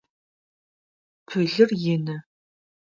Пылыр ины.